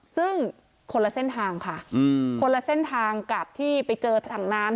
ซึ่งคนละเส้นทางค่ะคนละเส้นทางกับที่ไปเจอถังน้ำ